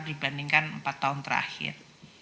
dibandingkan empat tahun terakhir